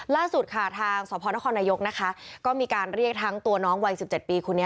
ล่าสุดค่ะทางสพนครนายกนะคะก็มีการเรียกทั้งตัวน้องวัย๑๗ปีคนนี้